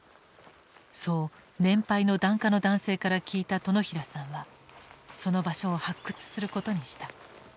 そう年配の檀家の男性から聞いた殿平さんはその場所を発掘することにした。